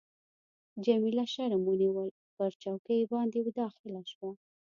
جميله شرم ونیول، پر چوکۍ باندي داخله شوه.